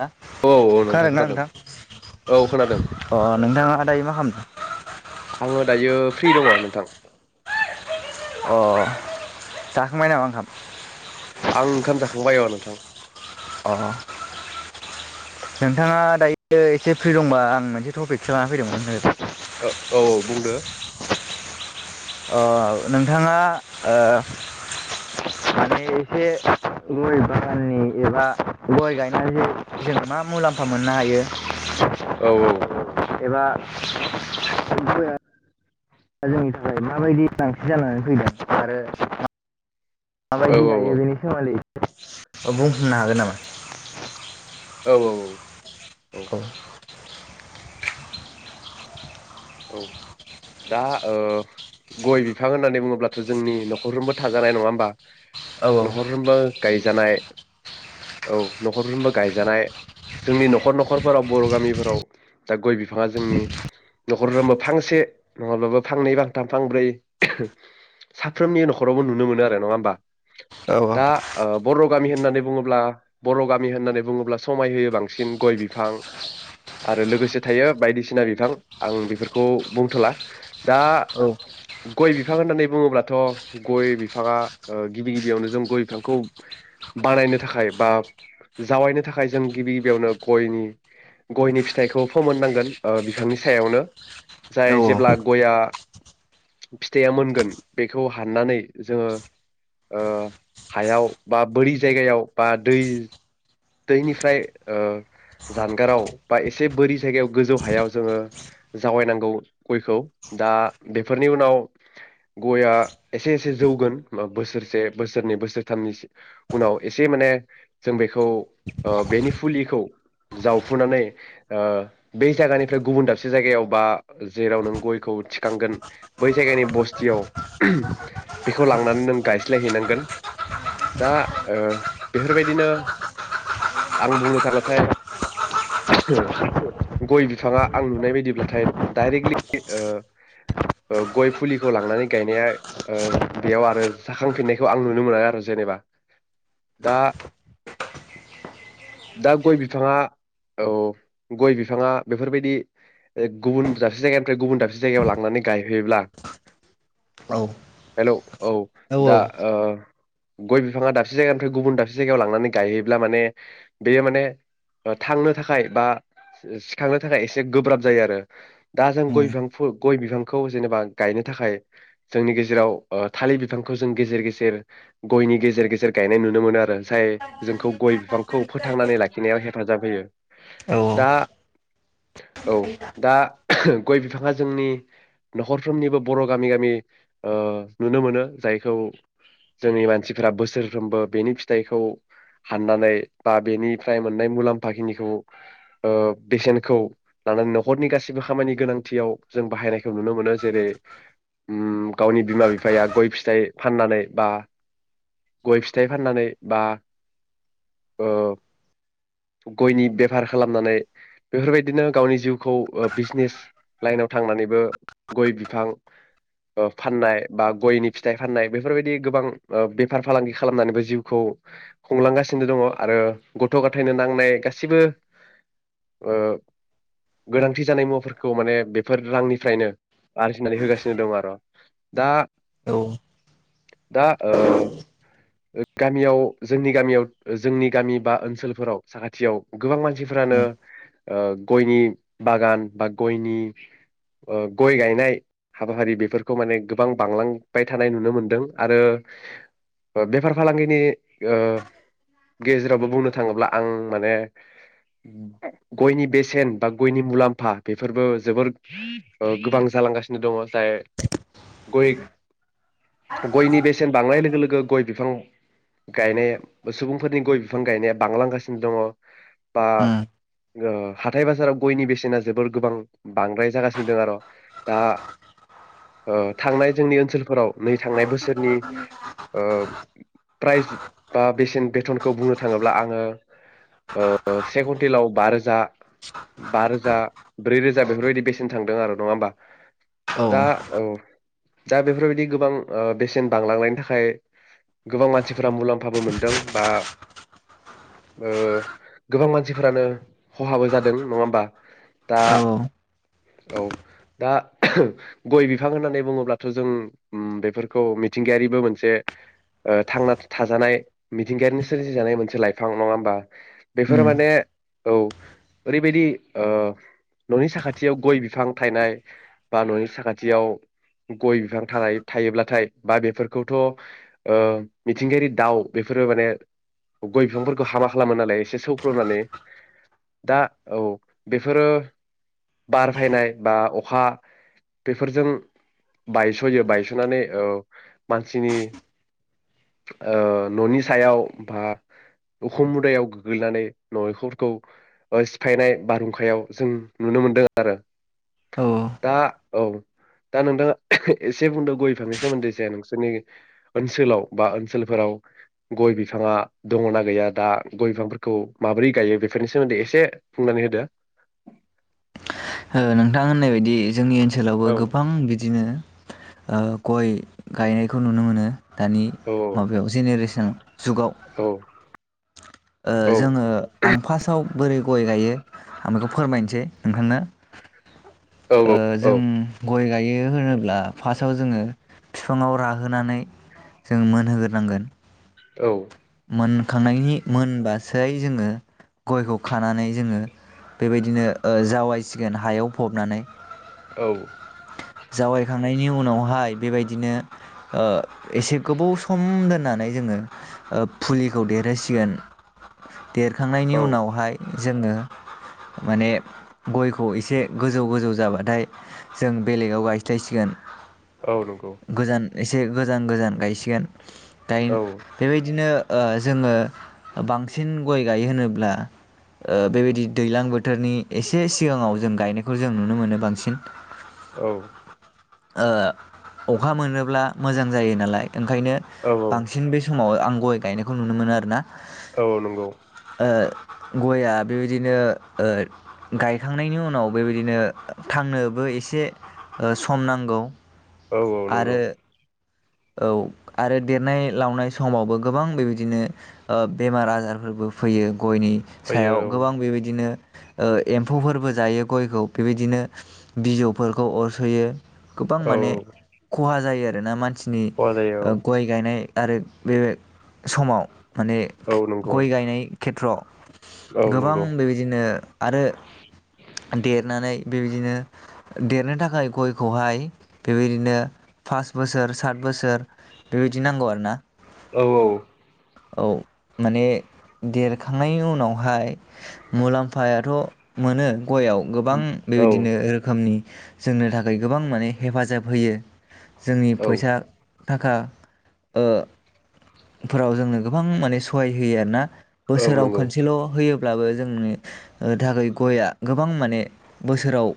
हा खोनादों ना नोंथां? औ खोनादों अ नोंथाङा दायो मा खालामदों? आङो दायो फ्रि दङ नोंथां। अ जाखांबाय नामा आखाम? आं ओंखाम जाखांबाय अ नोंथां। अ नोंथाङा दायो एसे फ्रि दंबा आं मोनसे टपिकसो लाना फैदोंमोन [unintelligible] ओ औ बुंदो ओ नोंथाङा ओ माने एसे गय बागाननि एबा गय गायनानै जोंङो मा मुलाम्फा मोननो हायो औ औ एबा [unintelligible] दा जोंनि थाखाय माबायदि गोनांथि जानानै फैदों आरो औ माबायदि गायो बेनि सोमोन्दै बुंनो हागोन नामा? औ औ औ औ औ दा ओ गय बिफां होननानै बुङोब्लाथ' जोंनि न'खरफोरबो थाजानाय नङा होमबा औ न'खरफ्रोबो गाय जानाय औ न'खरफ्रोमबो गायजानाय जोंनि न'खर न'खरफोराव बर' गामिफोराव दा गय बि बिफाङा जोंनि न'खरफ्रबो फांसे नङाब्लाबो फांनै फांथाम फांब्रै साफ्रोमनि न'खरावबो नुनो मोनो आरो नङा होमबा औ दा ओ बर' गामि होननानै बुङोब्ला बर' गामि होननानै बुङोब्ला समाय होयो बांसिन गय बिफां आरो लोगोसे थायो बायदिसिना बिफां आं बेफोरखौ बुंथ'ला। दा औ गय बिफां होननानै बुङोब्लाथ गय बिफाङा ओ गिबि गिबियावनो जों गय बिफांखौ बानायनो थाखाय बा जावायनो थाखाय जों गिबि गिबियावनो गयनि गयनि फिथाइखौ फोमोननांगोन ओ बिफांनि सायावनो जाय जेब्ला गया फिथाइया मोनगोन बेखौ हाननानै जोङो ओ हायाव बा बोरि जायगायाव बा दै दैनिफ्राय ओ जानगाराव बा एसे बोरि जायगायाव गोजौ हायाव जोङो जावायनांगौ गयखौ दा बेफोरनि उनाव गया एसे-एसे जौगोन बोसोरसे बोसोरनै बोसोरथामनि उनाव एसे माने जों बेखौ ओ बेनि फुलिखौ जावफुनानै ओ बे जायगानिफ्राय गुबुन दाबसे जायगायाव बा जेराव नों गयखौ थिखांगोन बै जायगानि बस्थियाव बेखौ लांनानै नों गायस्लाय हैनांगोन दा ओ बेफोरबायदिनो आं बुंनो थाङोब्लाथाय गय बिफाङा आं नुनाय बायदिब्लाथाय दायरेकलि ओ-ओ गय फुलिखौ लांनानै गायनाया ओ बेयाव आरो जाखांफिननायखौ आं नुनो मोना आरो जेनेबा दा दा गय बिफाङा औ गय बिफाङा बेफोरबायदि गुबुन दाबसे जायगानिफ्राय गुबुन दाबसे जायगायाव लांनानै गायहैयोब्ला औ हेलौ औ दा गय बिफाङा दाबसे जायगानिफ्राय गुबुन दाबसे जायगायाव लांनानै गायहैयोब्ला ब्ला माने बेयो माने थांनो थाखाय बा सिखांनो थाखाय एसे गोब्राब जायो आरो दा जों औ गय बिफां गय बिफांखौ जेनेबा गायनो थाखाय जोंनि गेजेराव थालिर बिफांखौ जों गेजेर गेजेर गयनि गेजेर गेजेर गायनाय नुनो मोनो आरो जाय जोंखौ गय बिफांखौ फोथांनानै लाखिनायाव हेफाजाब होयो। औ दा औ दा गय बिफाङा जोंनि नखरफ्रोमनिबो बर गामि-गामि ओ नुनो मोनो जायखौ जोंनि मानसिफोरा बोसोरफ्रोमबो बेनि फिथाइखौ हाननानै बा बेनिफ्राय मोननाय मुलाम्फााखिनिखौ ओ बेसेनखौ लानानै नखरनि गासैबो खामानि गोनांथियाव जों बाहायनायखौ नुनो मोनो जेरै उम गावनि बिमा बिफाया गय फिथाइ फाननानै बा गय फिथाइ फाननानै बा ओ गयनि बेफार खालामनानै बेफोरबायदिनो गावनि जिउखौ ओ बिजनेस लाइनाव थांनानैबो गय बिफां ओ फाननाय बा गयनि फिथाइ फाननाय बेफोरबायदि गोबां ओ बेफार फालांगि खालामनानैबो जिउखौ खुंलांगासिनो दङ आरो गथ गथायनो नांनाय गासिबो ओ गोनांथि जानाय मुवाफोरखौ माने बेफोर रांनिफ्रायनो आरजिनानै होगासिनो दङ आरो दा औ। दा ओ ओ गामियाव जोंनि गामियाव जोंनि गामि बा ओनसोलफोराव साखाथियाव गोबां मानसि मानसिफ्रानो उम ओ गयनि बागान बा गयनि ओ गय गायनाय हाबाफारि बेफोरखौ माने गोबां बांलांबाय थानाय नुनो मोनदों आरो बेफार फालांगिनि ओ गेजेरावबो बुंनो थाङोब्ला आं माने गयनि बेसेन बा गयनि मुलाम्फा बेफोरबो जोबोर ओ गोबां जालांगासिनो दङ जाय गय गयनि बेसेन बांनाय लोगो-लोगो गय बिफां गायनाया सुबुंफोरनि गय बिफां गायनाया बांलांगासिनो दङ बा उम ओ हाथाय बाजाराव गयनि बेसेना जोबोर गोबां बांद्राय जागासिनो दं आरो दा थांनाय जोंनि ओनसोलफोराव नै थांनाय बोसोरनि ओ प्रायेजा बेसेन बेथनखौ बुंनो थाङोब्ला आङो ओ से कुइन्टेलाव बा रोजा बा रोजा ब्रै रोजा बेफोरबायदि बेसेन थांदों आरो नङा होमबा। औ दा औ। दा बेफोरबायदि गोबां ओ बेसेन बांलांनायनि थाखाय गोबां मानसिफोरा मुलाम्फाबो मोनदों बा ओ गोबां मानसिफोरानो खहाबो जादों नङा होमबा दा औ औ दा गय बिफां होननानै बुङोब्लाथ जों बेफोरखौ मिथिंगायारिबो मोनसे ओ थांना थाजानाय मिथिंगायारिनि सोरजिजानाय मोनसे लाइफां नङा होमबा बेफोरो उम माने औ ओरैबायदि ओ ननि साखाथियाव गय बिफां थायनाय बा ननि साखाथियाव गय बिफां थानाय थायोब्लाथाय बा बेफोरखौथ ओ मिथिंगायारि दाउ बेफोरो माने गय बिफांफोरखौ हामा खालामो नालाय एसे सौख्लनानै दा औ बेफोरो बार फैनाय बा अखा बेफोरजों बायसयो बायसनानै ओ मानसिनि ओ ननि सायाव बा उखुम मुदायाव गोग्लैनानै नखरफोरखौ सिफायनाय बारहुंखायाव जों नुनो मोनदों आरो। औ ओ दा औ दा नोंथाङा एसे बुंदों गय बिफांनि सोमोन्दै जाया नोंसोरनि ओनसोलाव बा ओनसोलफोराव गय बिफाङा दङना गैया दा गय बिफांफोरखौ माबोरै गायो बेफोरनि सोमोन्दै एसे बुंनानै होदो। ओ नोंथां होननाय बायदि जोंनि ओनसोल ओनसोलावबो औ गोबां बिदिनो ओ गय गायनायखौ नुनो मोनो। दानि औ माबायाव जेनेरेसनाव। जुगाव। औ ओ औ जोङो आं फास्टआव बोरै गय गायो आं बेखौ फोरमायनोसै नोंथांनो। औ ओ जों औ गय गायो होनोब्ला फासाव जोङो फिफाङाव राहोनानै जों मोनहोगोरनांगोन। औ मोनखांनायनि मोनबासै जोङो गयखौ खानानै जोङो बेबायदिनो ओ जावायसिगोन हायाव फबनानै औ जावायखांनायनि उनावहाय बेबायदिनो ओ एसे गोबौ सम दोननानै जोङो ओ फुलिखौ देरहोसिगोन देरखांनायनि औ उनावहाय जोङो माने गयखौ इसे गोजौ गोजौ जाबाथाय जों बेलेगाव गायस्लायसिगोन। औ नंगौ। गोजान एसे गोजान गोजान गायसिगोन। दाइन औ बेबायदिनो ओ जोङो बांसिन गय गायो होनोब्ला ओ बेबायदि दैलां बोथोरनि एसे सिगाङाव जों गायनायखौ जों नुनो मोनो बांसिन। औ ओ अखा मोनोब्ला मोजां जायो नालाय ओंखायनो औ बांसिन बे आं गय गायनायखौ नुनो मोनो आरो ना औ नंगौ गया बेबायदिनो ओ गायखांनायनि उनाव बेबायदिनो थांनोबो एसे ओ सम नांगौ। औ औ नंगौ। आरो औ आरो देरनाय लावनाय समावबो गोबां बेबायदिनो ओ बेमार आजारफोरबो फैयो। गयनि फैयो सायाव औ गोबां बेबायदिनो ओ एम्फौफोरबो जायो गयखौ बेबायदिनो बिजौफोरखौ अरसयो। गोबां औ माने खहा जायो आरो रो ना मानसि नि खहा जायो ओ गय गायनाय आरो बेबे समाव माने औ औ नंगौ गय गायनाय खेथ्रआव औ गोबां नंगौ बेबायदिनो आरो देरनानै बेबायदिनो देरनो थाखाय गयखौहाय बेबायदिनो फास बोसोर सात बोसोर बेबायदि नांगौ आरो ना औ औ माने देरखांनायनि उनावहाय मुलाम्फायाथ मोनो। गयाव गोबां औ बेबायदिनो रोखोमनि जोंनो थाखाय गोबां माने हेफाजाब होयो। जोंनि औ फैसा थाखा ओ फोराव जोंनो गोबां माने सहाय होयो आरो ना। औ बोसोराव नंगौ खोनसेल होयो ब्लाबो जोंनि ओ थाखाय गया गोबां माने बोसोराव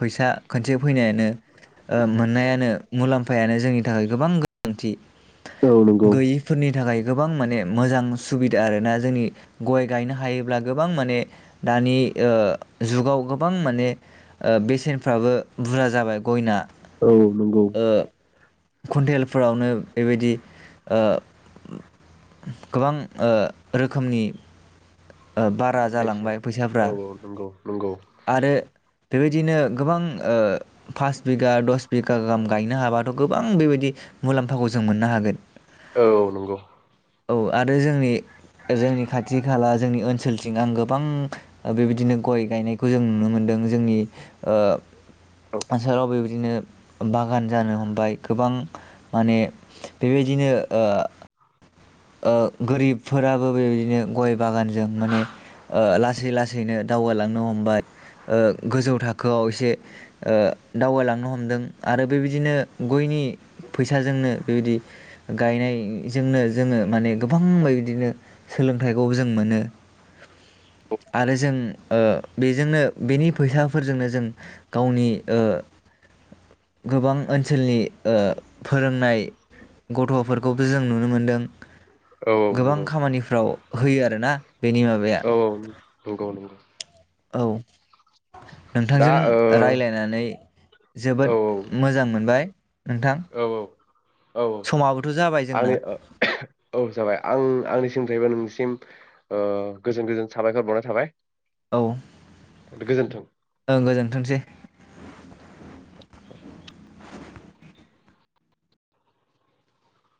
फैसा खोनसे फैनायानो मोननायानो मुलाम फायानो जोंनि थाखाय गोबां गोनांथि औ नंगौ । गैयिफोरनि थाखाय । गोबां माने मोजां सुबिदा आरोना जोंनि गय गायनो हायोब्ला गोबां माने दानि जुगाव गोबां माने बेसेनफ्राबो बुरजा जाबाय गयना औ नंगौ ओ कुन्टेलफोरावनो बेबायदि गोबां ओ रोखोमनि बारा बेसेन जालांबाय फैसाफ्रा औ औ नंगौ नंगौ आरो बेबायदिनो गोबां पास बिगा दस बिगा गाहाम गायनो हाबाथ' गोबां बेबायदि मुलाम्फाखौ जों मोननो हागोन । औ औ नंगौ औ आरो जोंनि जोंनि खाथि खाला । जोंनि ओनसोलथिं आं गोबां बेबायदिनो गय गायनायखौ जों नुनो मोनदों जोंनि औ [unintelligible] बिदिनो बागान जानो हमबाय गोबां माने बेबायदिनो ओ गोरिबफोराबो बेबायदिनो गय बागानजों माने लासै लासैनो दावगालांनो हमबाय गोजौ थाखोआव एसे दावगालांनो हमदों आरो बेबायदिनो गयनि फैसाजोंनो बेबायदि गायनायजोंनो जोङो माने गोबां बेबायदिनो सोलोंथाइखौ जों मोनो आरो जों बेजोंनो बेनि फैसाफोरजोंनो जों गावनि गोबां ओनसोलनि ओ फोरोंनाय गथ'फोरखौबो जों नुनो मोनदों । औ औ गोबां नंगौ खामानिफ्राव होयो आर ना? औ औ नंगौ नंगौ । औ । ओ नोंथांजों औ रायलायनानै औ जोबोद औ मोजां मोनबाय । नोंथां औ औ समाबोथ' जाबाय जोंना आंनि औ जाबाय आं आंनि सिंनिफ्रायबो नोंनिसिम गोजोन गोजोन साबायखर बावनाय थाबाय । औ ओं गोजोनथोंसै ।